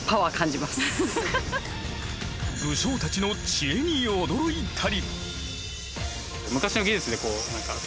武将たちの知恵に驚いたり。